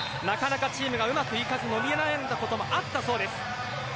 なかなかチームがうまくいかず伸び悩んだこともあったそうです。